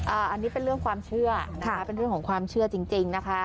อันนี้เป็นเรื่องความเชื่อนะคะเป็นเรื่องของความเชื่อจริงนะคะ